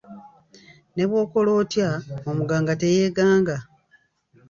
Ne bw’okola otya, omuganga teyeeganga.